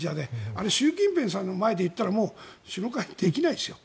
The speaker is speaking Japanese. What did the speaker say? あれは習近平さんの前で言ったら首脳会談できないですよ。